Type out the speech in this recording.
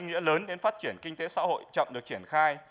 có ý nghĩa lớn đến phát triển kinh tế xã hội chậm được triển khai